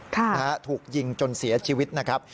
ถูกยิงจนเสียชีวิตนะครับ